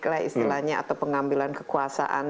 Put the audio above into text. lah istilahnya atau pengambilan kekuasaan